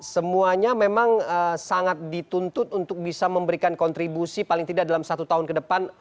semuanya memang sangat dituntut untuk bisa memberikan kontribusi paling tidak dalam satu tahun ke depan